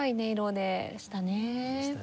でしたね。